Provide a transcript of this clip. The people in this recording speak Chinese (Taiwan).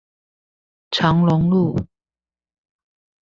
長龍路